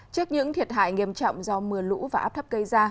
trước những thiệt hại nghiêm trọng do mưa lũ và áp thấp cây ra